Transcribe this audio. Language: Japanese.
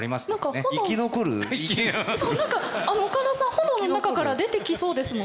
炎の中から出てきそうですもん。